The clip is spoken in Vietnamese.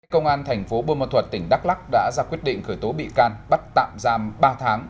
công an thành phố bô ma thuật tỉnh đắk lắc đã ra quyết định khởi tố bị can bắt tạm giam ba tháng